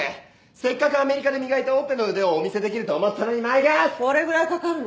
せっかくアメリカで磨いたオペの腕をお見せできると思ったのにマイゴッド！